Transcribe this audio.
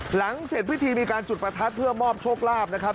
หลังเสร็จพิธีมีการจุดประทัดเพื่อมอบโชคลาภนะครับ